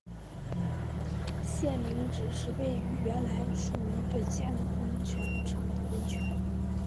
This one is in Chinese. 县名指的是位于原来属于本县的温泉城的温泉。